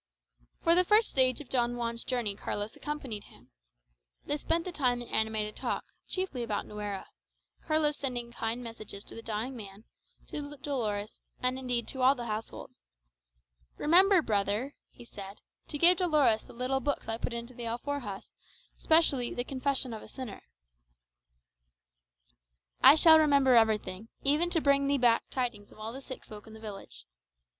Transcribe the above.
For the first stage of Don Juan's journey Carlos accompanied him. They spent the time in animated talk, chiefly about Nuera, Carlos sending kind messages to the dying man, to Dolores, and indeed to all the household. "Remember, brother," he said, "to give Dolores the little books I put into the alforjas, specially the 'Confession of a Sinner.'" "I shall remember everything, even to bringing thee back tidings of all the sick folk in the village.